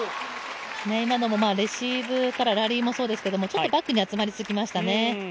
今のもレシーブからそうでしたけど、ちょっとバックに集まりましたね。